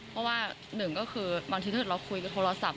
เพราะว่าหนึ่งก็คือบางทีถ้าเกิดเราคุยกับโทรศัพ